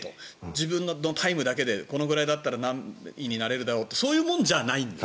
自分のタイムだけでこのぐらいだったら何位になれるだろうとそういうものじゃないんですね。